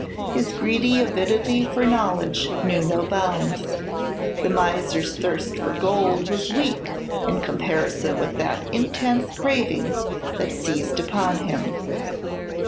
His greedy avidity for knowledge knew no bounds. The miser's thirst for gold was weak in comparison with that intense craving that seized upon him.